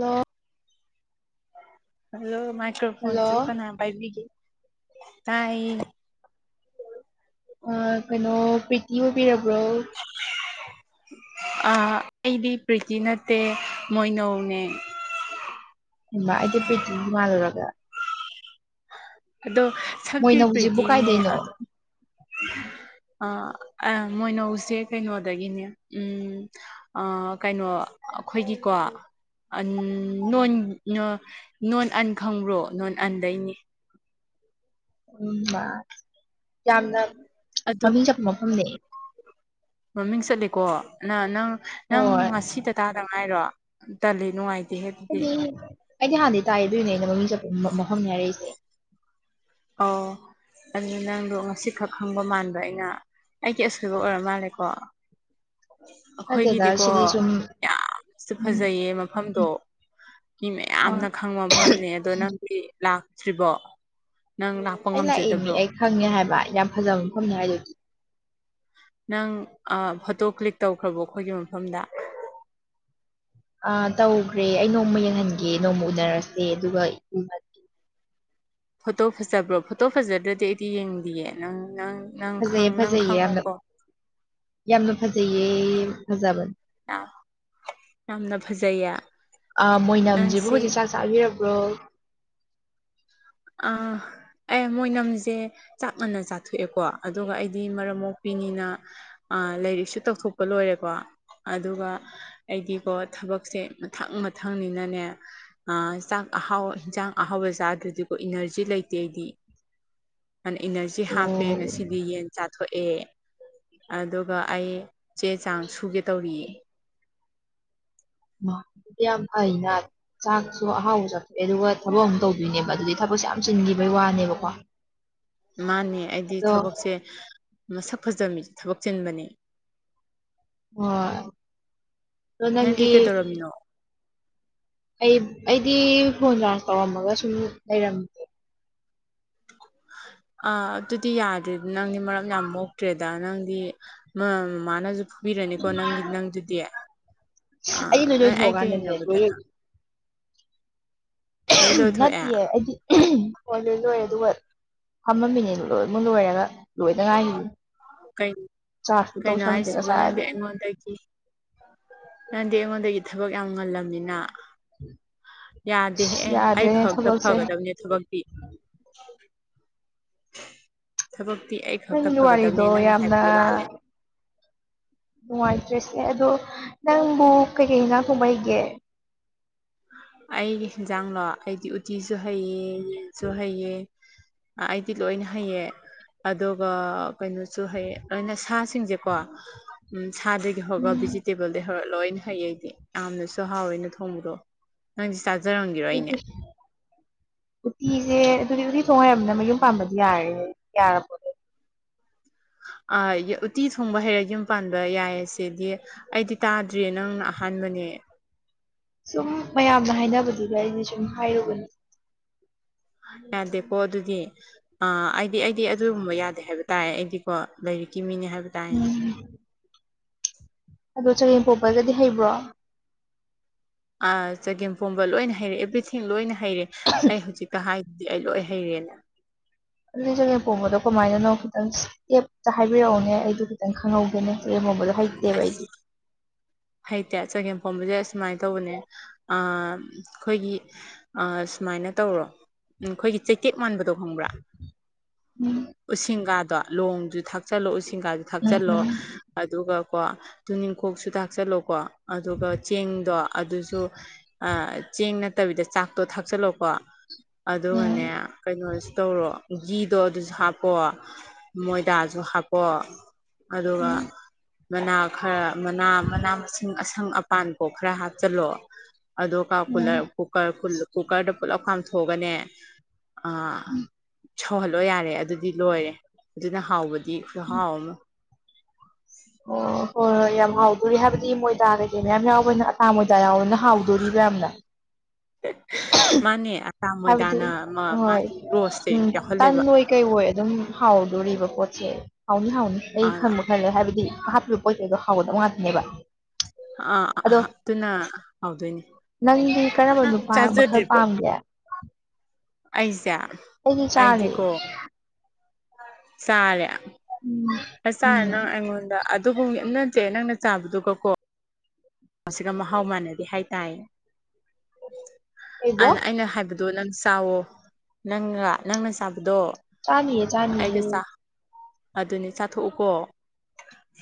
ꯑꯣ ꯍꯜꯂꯣ ꯃꯥꯏꯀ꯭ꯔꯣꯐꯣꯟꯁꯨ ꯍꯜꯂꯣ ꯀꯅꯥ ꯄꯥꯏꯕꯤꯒꯦ ꯇꯥꯏꯌꯦ ꯀꯩꯅꯣ ꯄ꯭ꯔꯤꯇꯤ ꯑꯣꯏꯕꯤꯔꯕ꯭ꯔꯣ ꯑꯩꯗꯤ ꯄ꯭ꯔꯤꯇꯤ ꯅꯠꯇꯦ ꯃꯣꯏꯅꯧꯅꯦ ꯃꯥ ꯑꯩꯗꯤ ꯄꯦꯇꯤ ꯃꯥꯜꯂꯨꯔꯒ ꯑꯗꯣ ꯁꯛꯇꯤ ꯃꯣꯏꯅꯧꯁꯤꯕꯨ ꯄ꯭ꯔꯤꯇꯤꯅꯦ ꯀꯥꯏꯗꯩꯅꯣ ꯑꯗ ꯑ ꯃꯣꯏꯅꯧꯁꯦ ꯀꯩꯅꯣꯗꯒꯤꯅꯦ ꯎꯝ ꯀꯩꯅꯣ ꯑꯩꯈꯣꯏꯒꯤꯀꯣ ꯅꯣꯟ ꯅꯣꯟ ꯑꯟ ꯈꯪꯕ꯭ꯔꯣ ꯅꯣꯟ ꯑꯟꯗꯩꯅꯤ ꯎꯝ ꯌꯥꯝꯅ ꯑꯗꯣ ꯃꯃꯤꯡ ꯆꯠꯄ ꯃꯐꯝꯅꯦ ꯃꯃꯤꯡ ꯆꯠꯂꯤꯀꯣ ꯅ ꯅꯪ ꯅꯪ ꯍꯣꯏ ꯉꯁꯤꯗꯇꯥꯥꯗ ꯉꯥꯏꯔꯣ ꯇꯜꯂꯤ ꯅꯨꯡꯉꯥꯏꯇ ꯑꯩꯗꯤ ꯑꯩꯗꯤ ꯍꯥꯟꯅꯗꯤ ꯇꯥꯏ ꯗꯨꯏꯅꯦ ꯑꯩꯅ ꯃꯃꯤꯡ ꯆꯠꯄ ꯃꯐꯝꯅꯦ ꯍꯥꯏꯔꯛꯏꯁꯦ ꯑꯣ ꯑꯗꯨꯅꯤ ꯅꯪꯗꯣ ꯉꯁꯤꯈꯛ ꯈꯪꯕ ꯃꯥꯟꯕ ꯑꯩꯅ ꯑꯩꯒꯤ ꯑꯁꯣꯏꯕ ꯑꯣꯏꯔ ꯃꯥꯜꯂꯦꯀꯣ ꯅꯠꯇꯦꯗ ꯑꯩꯈꯣꯏꯒꯤꯗꯤꯀꯣ ꯁꯤꯗꯤ ꯁꯨꯝ ꯌꯥꯝꯁꯨ ꯐꯖꯩꯌꯦ ꯃꯐꯝꯗꯣ ꯃꯤ ꯑꯥ ꯃꯌꯥꯝꯅ ꯈꯪꯕ ꯃꯐꯝꯅꯦ ꯑꯗꯣ ꯅꯪꯗꯤ ꯂꯥꯛꯇ꯭ꯔꯤꯕꯣ ꯅꯪ ꯑꯩ ꯂꯥꯛꯏ ꯃꯤ ꯉꯝꯖꯗꯕ꯭ꯔꯣ ꯑꯩ ꯈꯪꯉꯦ ꯍꯥꯏꯕ ꯌꯥꯝ ꯐꯖꯕ ꯃꯐꯝꯅꯦ ꯍꯥꯏꯗꯨꯗꯤ ꯅꯪ ꯐꯣꯇꯣ ꯀ꯭ꯂꯤꯛ ꯇꯧꯈ꯭ꯔꯕꯣ ꯑꯩꯈꯣꯏꯒꯤ ꯃꯐꯝꯗ ꯑ ꯇꯧꯈ꯭ꯔꯦ ꯑꯩ ꯅꯣꯡꯃ ꯌꯦꯡꯍꯟꯒꯦ ꯅꯣꯡꯃ ꯎꯅꯔꯁꯦ ꯑꯗꯨꯒ ꯐꯣꯇꯣ ꯐꯖꯕ꯭ꯔꯣ ꯐꯣꯇꯣ ꯐꯖꯗ꯭ꯔꯗꯤ ꯑꯩꯗꯤ ꯌꯦꯡꯗꯌꯦ ꯅꯪ ꯅꯪ ꯅꯪ ꯐꯖꯩꯌꯦ ꯅꯪ ꯐꯖꯩꯌꯦ ꯌꯥꯝꯅ ꯈꯪꯉꯣꯀꯣ ꯌꯥꯝꯅ ꯐꯖꯩꯌꯦ ꯐꯖꯕ ꯌꯥꯝꯅ ꯐꯖꯩꯌꯦ ꯑ ꯃꯣꯏꯅꯝꯁꯤꯕꯨ ꯅꯪꯁꯦ ꯍꯧꯖꯤꯛ ꯆꯕꯤꯔꯕ꯭ꯔꯣ ꯑꯥ ꯑꯦ ꯃꯣꯏꯅꯝꯁꯦ ꯆꯥꯛ ꯃꯥꯟꯟꯅ ꯆꯥꯊꯣꯛꯑꯦꯀꯣ ꯑꯗꯨꯒ ꯑꯩꯗꯤ ꯃꯔꯝ ꯃꯣꯛꯄꯤꯅꯤꯅ ꯂꯥꯏꯔꯤꯛꯁꯨ ꯇꯧꯊꯣꯛꯄ ꯂꯣꯏꯔꯦꯀꯣ ꯑꯗꯨꯒ ꯑꯩꯗꯤꯀꯣ ꯊꯕꯛꯁꯦ ꯃꯊꯪ ꯃꯊꯪꯅꯤꯅꯅꯦ ꯑ ꯆꯥꯛ ꯑꯍꯥꯎ ꯆꯥꯛ ꯑꯍꯥꯎꯕ ꯆꯗꯨꯗꯤ ꯏꯅꯔꯖꯤ ꯂꯩꯇꯦ ꯑꯩꯗꯤ ꯏꯅꯔꯖꯤ ꯍꯥꯞꯄꯦ ꯑꯣ ꯉꯁꯤꯗꯤ ꯌꯦꯟ ꯆꯥꯊꯣꯛꯑꯦ ꯑꯗꯨꯒ ꯑꯩ ꯆꯦ ꯆꯥꯡ ꯁꯨꯒꯦ ꯇꯧꯔꯤ ꯌꯥꯝ ꯐꯪꯅ ꯆꯥꯛ ꯁꯨ ꯑꯍꯥꯎꯕ ꯆꯥꯊꯣꯛꯑꯦ ꯑꯗꯨꯒ ꯊꯕꯛ ꯑꯃꯨꯛ ꯇꯧꯗꯣꯏꯅꯦꯕ ꯑꯗꯨꯗꯤ ꯊꯕꯛꯁꯦ ꯌꯥꯝ ꯆꯤꯟꯈꯤꯕꯒꯤ ꯋꯥꯅꯦꯕꯀꯣ ꯃꯥꯅꯦ ꯑꯩꯗꯤ ꯑꯗꯣ ꯊꯕꯛꯁꯦ ꯃꯁꯛ ꯐꯖꯕ ꯃꯤꯁꯦ ꯊꯕꯛ ꯆꯤꯟꯕꯅꯦ ꯑꯣ ꯅꯪꯗꯤ ꯀꯩꯗꯧꯔꯝꯃꯤꯅꯣ ꯑꯩ ꯑꯩꯗꯤ ꯐꯣꯟ ꯆꯥꯡ ꯇꯧꯔꯝꯃꯒ ꯁꯨꯝ ꯂꯩꯔꯝ ꯑꯥ ꯑꯗꯨꯗꯤ ꯌꯥꯗ꯭ꯔꯦ ꯅꯪꯗꯤ ꯃꯔꯝ ꯌꯥꯝ ꯃꯣꯛꯇ꯭ꯔꯦ ꯅꯪꯗꯤ ꯃꯃꯥꯅꯁꯨ ꯐꯨꯕꯤꯔꯅꯤꯀꯣ ꯅꯪꯒꯤ ꯅꯪꯗꯨꯗꯤ ꯑꯥ ꯑꯩ ꯅꯪ ꯑꯩꯒ ꯌꯦꯡꯅꯕꯗꯅ ꯂꯣꯏ ꯂꯣꯏꯊꯣꯛꯑꯦ ꯅꯠꯇꯦ ꯑꯩꯗꯤ ꯍꯣꯏ ꯂꯣꯏ ꯂꯣꯏꯔꯦ ꯑꯗꯨꯒ ꯐꯝꯃꯝꯃꯤꯅꯤ ꯂꯣꯏꯃꯛ ꯂꯣꯏꯔꯒ ꯂꯣꯏꯗ ꯉꯥꯏꯔꯤꯌꯦ ꯀꯩꯅꯣ ꯍꯥꯏꯁꯤꯕꯨ ꯅꯪꯗꯤ ꯉꯁꯥꯏꯗꯩ ꯑꯩꯉꯣꯟꯗꯒꯤ ꯅꯪꯗꯤ ꯑꯩꯉꯣꯟꯗꯒꯤ ꯊꯕꯛ ꯌꯥꯝ ꯉꯜꯂꯝꯃꯤꯅ ꯌꯥꯗꯦꯍꯦ ꯑꯦ ꯑꯩ ꯌꯥꯗ꯭ꯔꯦꯅꯦ ꯈꯛꯇ ꯊꯕꯛꯁꯦ ꯐꯒꯗꯕꯅꯦ ꯊꯕꯛꯇꯤ ꯊꯕꯛꯇꯤ ꯑꯩ ꯈꯛꯇ ꯅꯪꯒꯤ ꯐꯒꯗꯕꯅꯦ ꯋꯥꯔꯤꯗꯣ ꯅꯪꯅ ꯌꯥꯝꯅ ꯍꯥꯏꯕꯗꯣ ꯂꯥꯜꯂꯦ ꯅꯨꯡꯉꯥꯏꯇ꯭ꯔꯦꯁꯦ ꯑꯗꯣ ꯅꯪꯕꯨ ꯀꯩꯀꯩ ꯏ ꯉꯥꯡ ꯀꯨꯝꯕꯩꯒꯦ ꯑꯩꯒꯤ ꯌꯦꯟꯖꯥꯡꯂꯣ ꯑꯩꯗꯤ ꯎꯇꯤꯁꯨ ꯍꯩꯌꯦ ꯃꯤꯠꯁꯨ ꯍꯩꯌꯦ ꯑꯩꯗꯤ ꯂꯣꯏ ꯍꯩꯌꯦ ꯑꯗꯨꯒ ꯀꯩꯅꯣꯁꯨ ꯍꯌꯦ ꯑꯩꯅ ꯁꯥꯁꯤꯡꯁꯦꯀꯣ ꯎꯝ ꯁꯥꯗꯒꯤ ꯁꯤ ꯍꯧꯔꯒ ꯎꯝ ꯚꯤꯖꯤꯇꯦꯕꯜꯗꯩ ꯍꯧꯔꯛ ꯂꯣꯏꯅ ꯍꯩ ꯑꯩꯗꯤ ꯌꯥꯝꯅꯁꯨ ꯍꯥꯎꯋꯦꯅ ꯊꯣꯡꯕꯗꯣ ꯍ ꯁꯥꯖꯔ ꯍꯣꯡꯒꯦ ꯑꯗꯨ ꯎꯇꯤꯁꯦ ꯑꯗꯨꯗꯤ ꯎꯇꯤ ꯊꯣꯡ ꯍꯥꯏꯩꯔꯕꯅꯤꯅ ꯃꯌꯨꯝ ꯄꯥꯝꯕꯗꯤ ꯌꯥꯔꯦ ꯌꯥꯔꯕ ꯎꯇꯤ ꯊꯣꯡꯕ ꯍꯩꯔ ꯌꯨꯝ ꯄꯥꯟꯕ ꯌꯥꯏꯌꯦ ꯁꯤꯗꯤ ꯑꯩꯗꯤ ꯇꯥꯗ꯭ꯔꯤꯦ ꯅꯪꯅ ꯑꯍꯥꯟꯕꯅꯦ ꯁꯨꯝ ꯃꯌꯥꯝꯅ ꯍꯥꯏꯅꯕꯗꯨꯗ ꯑꯩꯗꯤ ꯁꯨꯝ ꯍꯥꯏꯔꯨꯕꯅꯤ꯫ ꯌꯥꯗꯦꯀꯣ ꯑꯗꯨꯗꯤ꯫ ꯑ ꯑꯩꯗꯤ ꯑꯩꯗꯤ ꯑꯗꯨꯨꯝꯕ ꯌꯥꯗꯦ ꯍꯥꯏꯕ ꯇꯥꯔꯦ ꯑꯩꯗꯤꯀꯣ ꯂꯥꯏꯔꯤꯛꯀꯤ ꯃꯤꯅꯤ ꯍꯥꯏꯕ ꯇꯥꯏꯌꯦ ꯎꯝ ꯑꯗꯣ ꯆꯒꯦꯝ ꯄꯣꯛꯄꯒꯗꯤ ꯍꯩꯕ꯭ꯔꯣ? ꯆꯒꯦꯝ ꯄꯣꯝꯕ ꯂꯣꯏꯅ ꯍꯩꯔꯦ ꯑꯦꯚ꯭ꯔꯤꯊꯤꯡ ꯂꯣꯏꯅ ꯍꯩꯔꯦ ꯑꯩ ꯍꯧꯖꯤꯛꯇ ꯍꯥꯏ ꯑꯩ ꯂꯣꯏ ꯍꯩꯔꯦꯅ ꯑꯗꯨꯗꯤ ꯆꯒꯦꯝ ꯄꯣꯝꯕꯗꯣ ꯀꯃꯥꯏꯅꯅꯣ ꯈꯤꯇꯪ, ꯑꯦꯞꯇ ꯍꯥꯏꯕꯤꯔꯛꯎꯅꯦ ꯑꯩꯗꯨ ꯈꯤꯇꯪ ꯈꯪꯍꯧꯒꯦꯅꯦ ꯆꯥꯐꯝ ꯄꯣꯝꯕꯗꯣ ꯍꯩꯇꯦꯕ ꯑꯁ ꯑꯩꯗꯤ꯫ ꯍꯩꯇꯦ, ꯆꯒꯦꯝ ꯄꯣꯝꯕꯁꯦ ꯑꯁꯨꯃꯥꯏꯅ ꯇꯧꯕꯅꯦ ꯑꯥ ꯈꯣꯏꯒꯤ, ꯑꯥ ꯁꯨꯃꯥꯏꯅ ꯇꯧꯔꯣ ꯎꯝ ꯈꯣꯏꯒꯤ ꯆꯩꯇꯦꯛ ꯃꯥꯟꯕꯗꯣ, ꯈꯣꯡꯕ꯭ꯔꯥ ꯎꯝ ꯎꯁꯤꯡꯒꯥꯗꯣ ꯂꯣꯡꯁꯨ ꯊꯥꯛꯆꯜꯂꯣ ꯎꯁꯤꯡꯒꯥ, ꯎꯝ ꯊꯥꯛꯆꯤꯜꯂꯣ ꯎꯝ ꯑꯗꯨꯒꯀꯣ ꯇꯨꯅꯤꯡꯈꯣꯛꯁꯨ ꯊꯥꯛꯆꯜꯂꯣꯀꯣ꯫ ꯑꯗꯨꯒ ꯆꯦꯡꯗꯣ ꯑꯗꯨꯁꯨ ꯑ ꯆꯦꯡ ꯐꯠꯇꯕꯤꯗ ꯆꯥꯛꯇꯣ ꯊꯥꯛꯆꯜꯂꯣꯀꯣ ꯎꯝ ꯑꯗꯨꯒꯅꯦ, ꯀꯩꯅꯣꯁꯤ ꯇꯧꯔꯣ ꯘꯤꯗꯣ ꯑꯗꯨꯁꯨ ꯍꯥꯞꯄꯣ꯫ ꯃꯣꯏꯗꯥꯁꯨ ꯍꯥꯞꯄꯣ ꯑꯗꯨꯒ ꯎꯝ ꯃꯅꯥ ꯈꯔ ꯃꯅꯥ, ꯃꯅꯥ ꯃꯁꯤꯡ ꯑꯁꯪ ꯑꯄꯥꯟꯕꯥꯎ ꯈꯔ ꯍꯥꯞꯆꯤꯜꯂꯣ ꯑꯗꯨꯒ ꯎꯝ ꯄꯨꯂꯞ, ꯀꯨꯀꯔ ꯀꯨꯀꯔꯗ ꯄꯨꯂꯞ ꯀꯝꯊꯣꯛꯒꯅꯦ ꯑ, ꯁꯧꯍꯜꯂꯣ ꯌꯥꯔꯦ ꯑꯗꯨꯗꯤ ꯂꯣꯏꯔꯦ꯫ ꯑꯗꯨꯅ ꯍꯥꯎꯕꯗꯤ ꯈꯨꯍꯥꯎ ꯑꯃ꯫ ꯑꯣ ꯍꯣꯏ ꯍꯣꯏ ꯌꯥꯝ ꯍꯥꯎꯗꯣꯔꯤ ꯍꯥꯏꯕꯗꯤ ꯃꯣꯏꯗꯥ ꯀꯩꯀꯩ ꯃꯌꯥꯝ ꯌꯥꯎꯕꯅ ꯑꯇꯥ ꯃꯣꯏꯗꯥ ꯌꯥꯎꯕꯅꯤꯅꯥ꯫ ꯍꯥꯎꯗꯣꯔꯤꯕ ꯌꯥꯝꯅ꯫ ꯃꯥꯅꯦ ꯑꯇꯥ ꯍꯥꯏꯕꯗꯤ ꯃꯣꯏꯗꯥꯅ ꯍꯣꯏ ꯃꯥꯒꯤ ꯔꯣꯁꯁꯦ ꯎꯝ ꯌꯥꯎꯍꯜꯂꯦꯕ ꯇꯟꯑꯣꯏ, ꯀꯩꯑꯣꯏ ꯑꯗꯨꯝ ꯍꯥꯎꯗꯣꯔꯤꯕ ꯄꯣꯠꯁꯦ ꯍꯥꯎꯅꯤ ꯍꯥꯎꯅꯤ ꯑꯩ ꯑꯥ ꯈꯪꯕ ꯈꯂꯩ ꯍꯥꯏꯕꯗꯤ ꯍꯥꯄꯤ ꯍꯥꯎꯒꯗꯕ ꯉꯥꯛꯇꯅꯦꯕ꯫ ꯑ ꯑꯗꯣ ꯑꯗꯨꯅ ꯍꯥꯎꯗꯣꯏꯅꯦ, ꯅꯪꯗꯤ ꯀꯔꯝꯕ ꯅꯪ ꯅꯨꯄꯥ ꯃꯈꯜ ꯆꯥꯖꯗꯔꯤꯕꯣ? ꯄꯥꯝꯒꯦ ꯑꯩꯖꯦ꯫ ꯑꯩꯗꯤ ꯆꯥꯔꯦ꯫ ꯆꯔꯦ ꯎꯝ ꯎꯝ ꯑꯁꯔꯅ ꯑꯩꯉꯣꯗ [unintelligible] ꯑꯗꯨꯕꯨ ꯅꯠꯇꯦ ꯅꯪꯅ ꯆꯥꯕꯗꯨꯒꯀꯣ꯫ ꯃꯁꯤꯒ ꯃꯍꯥꯎ ꯃꯥꯟꯅꯗꯦ ꯍꯥꯏꯇꯥꯏ ꯀꯩꯕꯣ ꯑꯗ ꯑꯩꯅ ꯍꯥꯏꯕ ꯑꯗꯣ ꯅꯪ ꯆꯋꯣ ꯅꯪꯒ ꯅꯪꯅ ꯆꯥꯕꯗꯣ ꯆꯥꯅꯤꯌꯦ ꯆꯥꯅꯤꯌꯦ ꯑꯩꯒ ꯑꯗꯨꯅꯦ ꯆꯥꯊꯣꯛꯎꯀꯣ꯫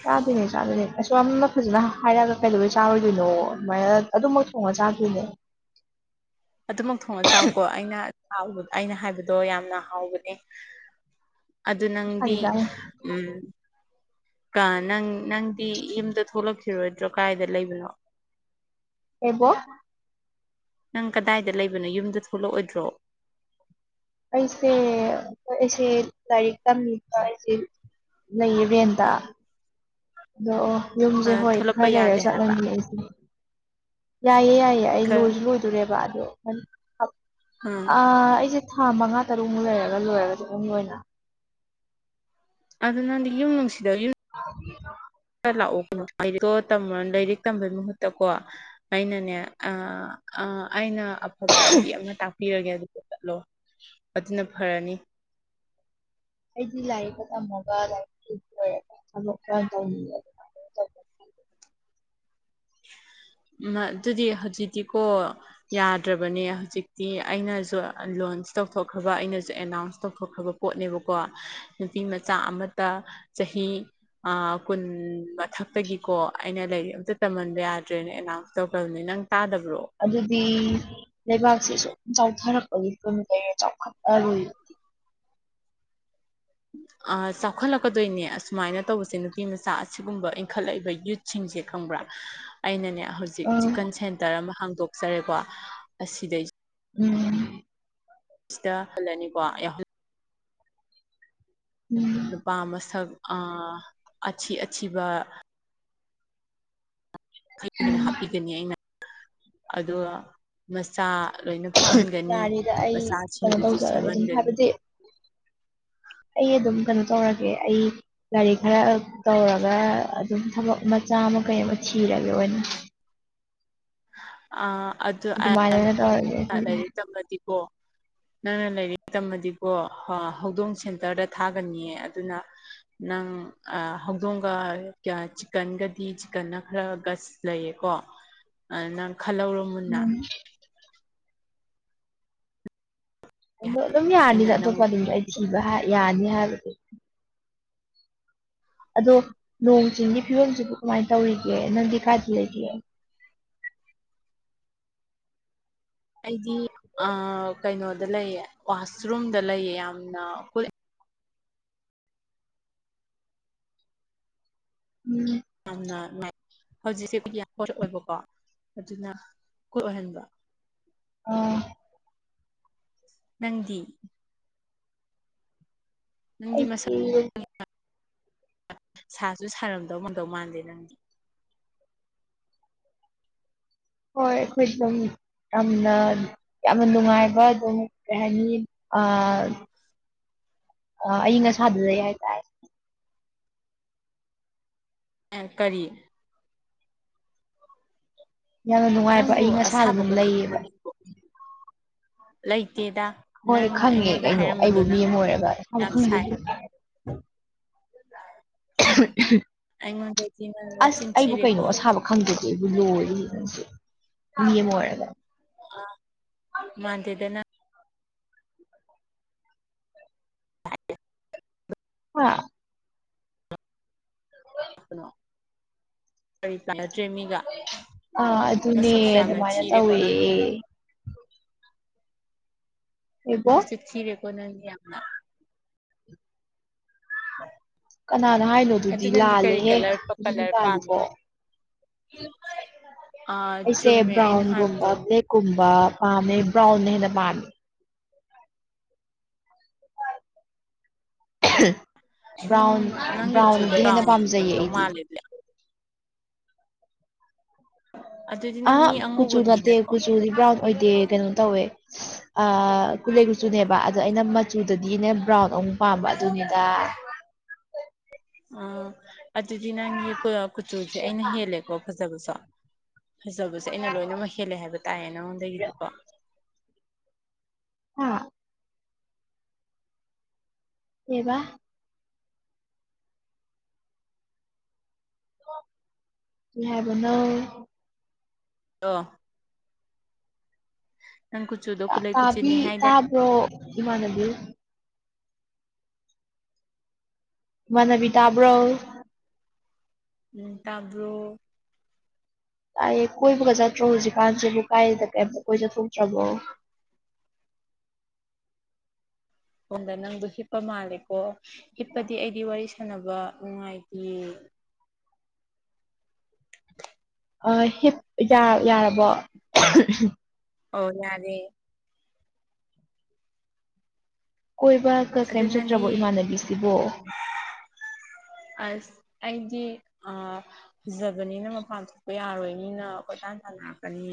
ꯆꯥꯗꯣꯏꯅꯦ ꯆꯥꯗꯣꯏꯅꯦ ꯑꯁꯨ ꯌꯥꯝꯅ ꯐꯖꯅ ꯍꯥꯏꯔꯛꯑꯒ ꯀꯩꯗꯧꯕꯩ ꯆꯥꯔꯣꯏꯗꯣꯏꯅꯣ ꯑꯗꯨꯃꯥꯏꯅ ꯑꯗꯨꯝꯃꯛ ꯊꯣꯡꯉ ꯆꯥꯗꯣꯏꯅꯦ꯫ ꯑꯗꯨꯃꯛ ꯊꯣꯡꯉ ꯆꯥꯎꯀꯣ ꯑꯩꯅ ꯑꯩꯅ ꯍꯥꯏꯕꯗꯣ ꯌꯥꯝꯅ ꯍꯥꯎꯕꯅꯦ꯫ [inaudible] ꯑꯗꯨ ꯅꯪꯗꯤ ꯆꯥꯅꯤ ꯆꯥꯅꯤ ꯎꯝ, ꯀ ꯅꯪ ꯅꯪꯗꯤ ꯌꯨꯝꯗ ꯊꯣꯛꯂꯛꯈꯤꯔꯣꯏꯗ꯭ꯔꯣ ꯀꯥꯏꯗ ꯂꯩꯕꯅꯣ꯫ ꯑꯦꯕꯨꯣ [unintelligible] [inaudible] ꯅꯪ ꯀꯗꯥꯏꯗ ꯂꯩꯕꯅꯣ, ꯌꯨꯝꯗ ꯊꯣꯛꯂꯛꯑꯣꯏꯗ꯭ꯔꯣ? ꯑꯩꯁꯦ ꯑꯩꯁꯦ ꯂꯥꯏꯔꯤꯛ ꯇꯝꯃꯤꯕ ꯑꯩꯁꯦ, ꯂꯩꯌꯦ ꯔꯦꯟꯇ꯫ ꯑꯗꯣ ꯑꯣ ꯌꯨꯝꯁꯦ ꯍꯣꯏ ꯊꯣꯛꯂꯛꯄ ꯈꯔ ꯌꯥꯗꯦ ꯂꯩꯔ ꯍꯥꯏꯕ ꯆꯠꯂꯅꯤ ꯑꯩꯁꯦ꯫ ꯌꯥꯏꯌꯦ ꯌꯥꯏꯌꯦ ꯑꯩ ꯈꯔ ꯂꯣꯏꯁꯨ ꯂꯣꯏꯗꯣꯔꯦꯕ ꯑꯗꯣ ꯎꯝ ꯑꯩꯁꯦ ꯊꯥ ꯃꯉꯥ ꯇꯔꯨꯛꯃꯨꯛ ꯂꯩꯔꯒ ꯂꯣꯏꯔꯒꯁꯨ ꯑꯗꯨꯝ ꯂꯣꯏꯅ꯫ ꯑꯗꯨ ꯅꯪꯗꯤ ꯌꯨꯝ ꯅꯨꯡꯁꯤꯗ ꯌꯨꯝ, [unintelligible] ꯂꯥꯛꯑꯣ ꯂꯥꯏꯔꯤꯛꯇꯣ ꯂꯥꯏꯔꯤꯛ ꯇꯝꯕꯩ ꯃꯍꯨꯠꯇ ꯀꯣ, ꯑꯩꯅꯅꯦ ꯑ ꯑ ꯑꯩꯅ ꯑꯐꯕ ꯂꯝꯕꯤ ꯑꯃ ꯇꯥꯛꯄꯤꯔꯒꯦ ꯑꯗꯨꯒ ꯆꯠꯂꯣ ꯑꯗꯨꯅ ꯐꯔꯅꯤ꯫ ꯍꯥꯏꯗꯤ ꯂꯥꯏꯔꯤꯛꯀ ꯇꯝꯃꯒ ꯂꯥꯏꯔꯤꯔꯒ ꯊꯕꯛ ꯇꯧꯅꯤꯡ ꯑꯗꯨꯗꯤ ꯍꯧꯖꯤꯛꯇꯗꯤꯤꯀꯣ ꯌꯥꯗ꯭ꯔꯕꯅꯦ ꯍꯧꯖꯤꯛꯇꯤ ꯑꯩꯅꯁꯨ ꯂꯣꯟꯁ ꯇꯧꯊꯣꯛꯈ꯭ꯔꯕ ꯑꯩꯅꯁꯨ ꯑꯦꯅꯥꯎꯟꯁ ꯇꯧꯊꯣꯛꯈ꯭ꯔꯕ ꯄꯣꯠꯅꯦꯕꯀꯣ ꯅꯨꯄꯤꯃꯆꯥ ꯑꯃꯇ ꯆꯍꯤ ꯑ ꯀꯨꯟ ꯃꯊꯛꯇꯒꯤꯀꯣ ꯑꯩꯅ ꯂꯩꯔꯤ ꯑꯝꯇ ꯇꯝꯍꯟꯕ ꯌꯥꯗ꯭ꯔꯦꯅ ꯑꯦꯅꯥꯎꯟꯁ ꯇꯧꯈ꯭ꯔꯕꯅꯤ ꯅꯪ ꯇꯥꯗꯕ꯭ꯔꯣ ꯑꯗꯨꯗꯤ ꯂꯩꯕꯥꯛꯁꯤꯦ ꯁ ꯆꯥꯎꯊꯔꯛꯄꯒꯤ ꯀꯣꯏꯅ ꯀꯩꯔꯦ ꯆꯥꯎꯈꯠꯂꯔꯨꯏꯕ ꯆꯥꯎꯈꯠꯂꯛꯀꯗꯣꯏꯅꯦ ꯑꯁꯨꯃꯥꯏꯅ ꯇꯧꯕꯁꯦ ꯅꯨꯄꯤ ꯃꯆꯥ ꯑꯁꯤꯒꯨꯝꯕ ꯏꯟꯈꯠꯂꯛꯏꯕ ꯁꯤꯡꯁꯦ ꯈꯪꯕ꯭ꯔꯥ ꯑꯩꯅꯅꯦ ꯍꯧꯖꯤꯛ ꯍꯧꯖꯤꯛ ꯎꯝ ꯆꯤꯛꯀꯟ ꯁꯦꯟꯇꯔ ꯑꯃ ꯍꯥꯡꯗꯣꯛꯆꯔꯦꯀꯣ ꯑꯁꯤꯗꯩ ꯎꯝ ꯁꯤꯗ ꯍꯜꯂꯅꯤꯀꯣ ꯑꯩ ꯎꯝ ꯅꯨꯄꯥ ꯃꯁꯛ ꯑꯊꯤ ꯑꯊꯤꯕ ꯍꯥꯞꯄꯤꯒꯅꯤ ꯑꯩꯅ ꯑꯗꯨꯒ ꯃꯆꯥ ꯂꯣꯏꯅ ꯄꯣꯛꯍꯟꯒꯅꯤ ꯌꯥꯔꯤꯗ ꯑꯩ ꯀꯩꯅꯣ ꯃꯆꯥꯁꯤꯡꯗꯨꯁꯨ ꯇꯧꯖꯔꯒꯦ ꯑꯗꯨꯝ ꯁꯦꯝꯍꯟꯒꯅꯤ ꯍꯥꯏꯕꯗꯤ ꯑꯩ ꯑꯗꯨꯝ ꯀꯩꯅꯣ ꯇꯧꯔꯒꯦ ꯑꯩ ꯂꯥꯏꯔꯤꯛ ꯈꯔ ꯇꯧꯔꯒ ꯑꯗꯨꯝ ꯊꯕꯛ ꯃꯆꯥ ꯑꯃ ꯀꯩ ꯑꯃ ꯊꯤꯔꯒꯦ ꯑꯣꯏꯅ ꯑ ꯑꯗꯨꯃꯥꯏꯅ ꯑꯣꯏꯅ ꯇꯧꯔꯒꯦ ꯑꯗꯨꯗꯤ ꯑꯗꯨꯗꯤ ꯇꯝꯃꯗꯤꯀꯣ ꯅꯪꯅ ꯂꯩꯥꯏꯔꯤꯛꯉꯩ ꯇꯝꯃꯗꯤꯕꯣ ꯍꯧꯗꯣꯡ ꯁꯦꯟꯇꯔꯗ ꯊꯥꯒꯅꯤꯌꯦ ꯑꯗꯨꯅ ꯅꯪ ꯍꯧꯗꯣꯡꯒ ꯆꯤꯛꯀꯟꯒꯗꯤ ꯆꯤꯛꯀꯟꯅ ꯈꯔ ꯂꯩꯌꯦ ꯀꯣ ꯑꯅꯪ ꯈꯜꯂꯧ ꯎꯝ ꯑꯗꯣ ꯑꯗꯨꯝ ꯌꯥꯅꯤꯗ ꯑꯩꯅ ꯑꯇꯣꯞꯄ ꯅꯪꯕꯨ ꯑꯗꯨꯝꯗ ꯑꯩ ꯄꯤꯕꯤꯗ ꯊꯤꯕ ꯌꯥꯅꯤ ꯍꯥꯏꯕꯗꯤ ꯑꯗꯣ ꯅꯣꯡ ꯆꯤꯡꯒꯤ ꯐꯤꯕꯝꯁꯤꯕꯨ ꯀꯃꯥꯏꯅ ꯇꯧꯔꯤꯒꯦ ꯅꯪꯗꯤ ꯀꯔꯗꯤ ꯂꯩꯒꯦ ꯑꯩꯗꯤ ꯀꯩꯅꯣꯗ ꯂꯩꯑ ꯋꯥꯁꯔꯨꯝꯗ ꯂꯩꯑ ꯌꯥꯝꯅ ꯎꯝ ꯌꯥꯝꯅ ꯅꯨꯡꯉꯥꯏ ꯍꯧꯖꯤꯛꯁꯦꯕꯨꯗꯤ ꯌꯥꯝ ꯀꯠꯛꯑꯣꯕꯀꯣ ꯑꯗꯨꯅ ꯀꯣꯠ ꯑꯣꯏꯍꯟꯕ ꯑꯥ ꯅꯪꯗꯤ ꯅꯪꯗꯤ ꯃꯁꯛ ꯑꯩꯗꯤ ꯁꯥꯁꯨ ꯁꯥꯔꯝꯗꯧ ꯉꯝꯗꯧ ꯃꯥꯟꯗꯦ ꯅꯪꯗꯤ ꯍꯣꯏꯈꯣꯏꯗꯝꯝ ꯌꯥꯝꯅ ꯌꯥꯝꯅ ꯅꯨꯡꯉꯥꯏꯕ ꯑꯗꯨꯝ ꯀꯩ ꯍꯥꯏꯅꯤ ꯑ ꯑ ꯑꯏꯪ ꯑꯁꯥꯗꯨꯗꯩ ꯍꯥꯏꯇꯥꯔꯦ ꯀꯔꯤ ꯌꯥꯝꯅ ꯅꯨꯡꯉꯥꯏꯕ ꯅꯪꯕꯨ ꯑꯏꯪ ꯑꯁꯥꯗ ꯑꯗꯨꯝ ꯑꯁꯥꯕꯒ ꯈꯪꯕ꯭ꯔꯣ ꯂꯩꯌꯦꯕ ꯅꯪꯕꯨ ꯂꯩꯇꯦꯗ ꯍꯣꯏ ꯅꯪ ꯈꯪꯉꯦ ꯑꯩꯉꯣꯟꯗ ꯀꯩꯅꯣ ꯑꯩꯕꯨ ꯍꯥꯏꯔꯝꯕꯗꯨꯣ ꯃꯤ ꯅꯪ ꯑꯃ ꯑꯣꯏꯔꯒ ꯑꯁꯥꯕ ꯌꯥꯝ ꯁꯥꯏ ꯈꯪꯗ꯭ꯔꯗꯤ ꯍꯥꯏꯕ [inaudible] ꯑꯩꯉꯣꯟꯗꯗꯤꯅ ꯃꯆꯤꯟ ꯊꯤꯔꯦꯀꯣ ꯍꯪꯖꯦꯀꯦ ꯑꯩꯕꯨ ꯂꯣꯏꯔꯤꯪꯁꯦ ꯃꯤ ꯑꯃ ꯑꯣꯏꯔꯒ ꯃꯥꯟꯗꯗꯦꯅ [inaudible] ꯀꯔꯤ ꯀꯥꯟꯅꯠꯇ꯭ꯔꯦꯃꯤꯒ ꯑꯥ ꯃꯁꯛꯁꯨ ꯑꯗꯨꯅꯦ ꯌꯥꯝꯅ ꯑꯗꯨꯃꯥꯏꯅ ꯊꯤꯔꯦꯀꯣ ꯇꯧꯋꯦ ꯅꯪꯗꯤ ꯃ ꯍꯩꯕꯣ ꯆꯈꯤꯤꯔꯀꯣꯅ ꯌꯥꯝꯅ [inaudible] ꯀꯅꯥꯅ ꯍꯥꯏꯅꯣ ꯑꯗꯨ ꯑꯗꯨꯗꯤ ꯅꯪꯗꯤ ꯀꯔꯤ ꯂꯥꯜꯂꯦꯍꯦ ꯀꯂꯔ ꯑꯗꯨꯗꯤ ꯀꯂꯔ ꯄꯥꯝꯃꯤ ꯂꯥꯜꯂꯨꯀꯣ ꯑꯥ ꯑꯩꯁꯦ ꯆꯨꯝꯃꯦ ꯑꯩꯅ ꯕ꯭ꯔꯥꯎꯟꯒꯨꯝꯕ ꯍꯥꯏꯕꯗꯣ ꯀꯨꯝꯕ ꯄꯥꯝꯃꯦ ꯕ꯭ꯔꯥꯎꯟꯅ ꯍꯦꯟꯅ ꯄꯥꯝꯃꯦ ꯕ꯭ꯔꯥꯎꯟ ꯅꯪ ꯅꯪꯒꯤ ꯀꯨꯆꯨꯗꯣ ꯕ꯭ꯔꯥꯎꯟꯗꯤ ꯍꯦꯟꯅ ꯕ꯭ꯔꯥꯎꯟ ꯄꯥꯝꯖꯩꯌꯦ ꯑꯣꯏꯔꯝꯗꯧ ꯑꯩꯗꯤ ꯃꯥꯜꯂꯦ ꯑꯗꯨꯗꯤ ꯑ ꯅꯪ ꯃꯤ ꯀꯨꯆꯨ ꯑꯉꯧꯕ ꯃꯤ ꯅꯠꯇꯦ ꯅꯠꯇ꯭ꯔꯣ ꯀꯨꯆꯨꯗꯤ ꯕ꯭ꯔꯥꯎꯟ ꯑꯣꯏꯗꯦ ꯀꯩꯅꯣ ꯇꯧꯋꯦ ꯀꯨꯂꯩ ꯀꯨꯁꯨꯨꯅꯦꯕ ꯑꯗꯣ ꯑꯩꯅ ꯃꯆꯨꯗꯗꯤꯅꯦ ꯕ꯭ꯔꯥꯎꯟ ꯑꯨꯛ ꯄꯥꯝꯕ ꯑꯗꯨꯅꯤꯗ ꯑ ꯑꯗꯨꯗꯤ ꯅꯪ ꯀ ꯀꯨꯆꯨꯁꯦ ꯑꯩꯅ ꯍꯦꯜꯂꯦꯀꯣ ꯐꯖꯕꯁꯨ ꯐꯖꯕꯁꯦ ꯑꯩꯅ ꯂꯣꯏꯅꯃꯛ ꯍꯦꯜꯂꯦ ꯍꯥꯏꯕ ꯇꯥꯏꯔꯦ ꯅꯪꯉꯣꯟꯗꯒꯤꯗꯤꯀꯣ ꯍꯥ ꯀꯦꯏꯕꯥ꯫ ꯌꯥꯕꯅꯣ ꯑ ꯅꯪ ꯀꯨꯆꯨꯗꯣ ꯀꯨꯂꯩ ꯇꯥꯕꯤ ꯀꯨꯆꯨꯅꯤ ꯍꯥꯏꯗꯥꯏ ꯇꯥꯕ꯭ꯔꯣ ꯏꯃꯥꯟꯅꯕꯤ ꯃꯅꯕꯤ ꯇꯥꯕ꯭ꯔꯣ ꯎꯝ ꯇꯥꯕ꯭ꯔꯣ ꯀꯥꯏ ꯀꯣꯏꯕꯒ ꯆꯠꯇ꯭ꯔꯣ ꯍꯧꯖꯤꯛꯀꯥꯟꯁꯤꯕꯨ ꯀꯥꯏꯗ ꯀꯩꯝꯇ ꯀꯣꯏ ꯆ ꯊꯣꯛꯣꯛꯇ꯭ꯔꯕꯣ ꯑꯩꯣꯟꯗ ꯅꯪꯗꯣ ꯍꯤꯞꯄ ꯃꯥꯜꯂꯦꯀꯣ ꯍꯤꯞꯄꯗꯤ ꯑꯩꯗꯤ ꯋꯥꯔꯤ ꯁꯥꯟꯅꯕ ꯅꯨꯡꯉꯥꯏꯇꯦ ꯑ ꯍꯤꯞ ꯌꯥ ꯌꯥꯔꯕꯣ ꯑꯣ ꯌꯥꯔꯦ ꯀꯣꯏꯕ ꯀ ꯑꯗꯨ ꯀꯔꯤꯝ ꯅꯪꯗꯤ ꯆꯠꯇ꯭ꯔꯕꯣ ꯏꯃꯥꯟꯅꯕꯤꯁꯤꯕꯣ ꯑꯁ ꯑꯩꯗꯤ ꯑ ꯐꯖꯕꯅꯤꯅ ꯃꯄꯥꯟ ꯊꯣꯛꯄ ꯌꯥꯔꯣꯏ ꯃꯤꯅ ꯑꯩꯈꯣꯏ ꯇꯥꯟ ꯇꯥꯟꯅꯔꯛꯀꯅꯤ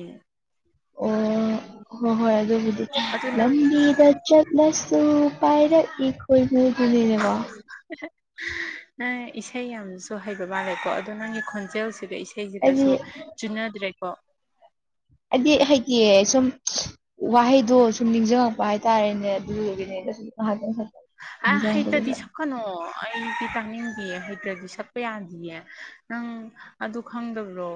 ꯑꯣ ꯍꯣꯏ ꯍꯣꯏ ꯑꯗꯨꯕꯨꯗꯤ ꯑꯗꯨ ꯅꯪ ꯂꯝꯕꯤꯗ ꯆꯠꯂꯁꯨ ꯄꯥꯏꯔꯛꯏ ꯈꯣꯏꯃꯨ ꯗꯨꯅꯦꯅꯦꯕ ꯅꯪ ꯏꯁꯩ ꯌꯥꯝꯁꯨ ꯍꯩꯕ ꯃꯥꯜꯂꯦꯀꯣ ꯑꯗꯣ ꯅꯪꯒꯤ ꯈꯣꯟꯖꯦꯜꯁꯤꯗ ꯑꯩꯗꯤ ꯏꯁꯩꯁꯤꯒꯁꯨ ꯆꯨꯅꯗ꯭ꯔꯦꯀꯣ ꯍꯥꯏꯗꯤ ꯍꯥꯏꯗꯤ ꯁꯨꯝ ꯋꯥꯍꯩꯗꯣ ꯁꯨꯝ ꯅꯤꯡꯁꯤꯡꯉꯛꯄ ꯍꯥꯏꯇꯥꯔꯦꯅꯦ ꯑꯗꯨꯗꯨꯒꯤꯅꯦ ꯁꯨꯝ ꯉꯥꯏꯍꯥꯛꯇꯪ ꯈ [unintelligible] ꯀꯩꯅꯣ ꯑꯩꯗꯤ ꯇꯥꯅꯤꯡꯗꯦ ꯍꯩꯇ꯭ꯔꯗꯤ ꯁꯛꯄ ꯌꯥꯗꯌꯦ ꯅꯪ ꯑꯗꯨ ꯈꯪꯗꯕ꯭ꯔꯣ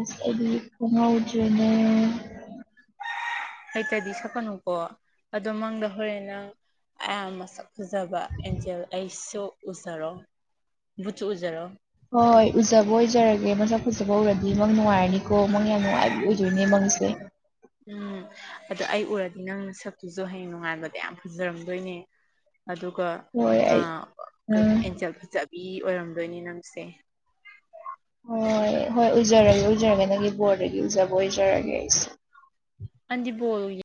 ꯑꯁ ꯈꯨ ꯉꯎꯖꯅ ꯍꯩꯇꯗꯤ ꯁꯛꯀꯅꯨꯀꯣ ꯑꯗꯣ ꯃꯪꯗ ꯍꯣꯔꯦꯟ ꯅꯪ ꯑꯌꯥꯝ ꯃꯁꯛ ꯐꯖꯕ ꯑꯦꯟꯖꯦꯜ ꯑꯩꯁꯨ ꯎꯖꯔꯣ ꯕꯨꯠꯁꯨ ꯎꯖꯔꯣ ꯍꯣꯏ ꯍꯣꯏ ꯎꯖꯕ ꯑꯣꯏꯖꯔꯒꯦ ꯃꯁꯛ ꯐꯖꯕ ꯎꯔꯗꯤ ꯃꯪ ꯅꯨꯡꯉꯥꯏꯔꯅꯤꯀꯣ ꯃꯪ ꯌꯥꯝ ꯅꯨꯡꯉꯥꯏꯕꯤ ꯑꯣꯏꯗꯣꯏꯅꯦ ꯃꯪꯁꯦ ꯎꯝ ꯑꯗꯣ ꯑꯩ ꯎꯔꯗꯤ ꯅꯪ ꯁꯛꯇꯨꯁꯨ ꯍꯌꯦꯡ ꯅꯨꯡꯉꯥꯏꯥꯟꯕꯗ ꯌꯥꯝ ꯐꯖꯔꯝꯗꯣꯏꯅꯦ ꯑꯗꯨꯒ ꯍꯣꯏ ꯑꯩ ꯎꯝ ꯑꯦꯟꯖꯦꯜ ꯐꯖꯕꯤ ꯑꯣꯏꯔꯝꯗꯣꯏꯅꯤ ꯅꯪꯁꯦ ꯍꯣꯏ ꯍꯣꯏ ꯎꯖꯔꯒꯦ ꯎꯖꯔꯒꯦ ꯅꯪꯒꯤ ꯕꯣꯔꯗꯒꯤ ꯎꯖꯕ ꯑꯣꯏꯖꯔꯒꯦ ꯑꯩꯁꯦ [inaudible]